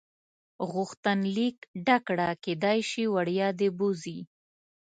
غوښتنلیک ډک کړه کېدای شي وړیا دې بوځي.